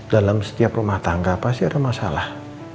dalam setiap rumah tangga pasti ada masalah